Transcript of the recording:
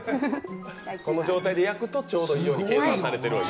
焼くとちょうどいいように計算されている。